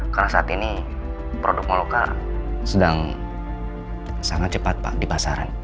karena saat ini produk mau luka sedang sangat cepat pak di pasar ren